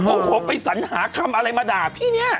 โอ้โหไปสัญหาคำอะไรมาด่าพี่เนี่ย